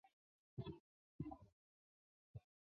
回家时经过菜市场